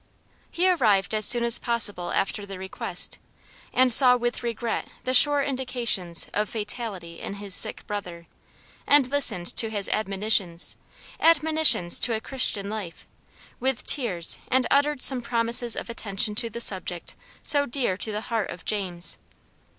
He arrived as soon as possible after the request, and saw with regret the sure indications of fatality in his sick brother, and listened to his admonitions admonitions to a Christian life with tears, and uttered some promises of attention to the subject so dear to the heart of James.